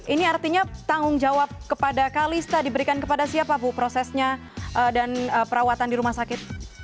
ini artinya tanggung jawab kepada kalista diberikan kepada siapa bu prosesnya dan perawatan di rumah sakit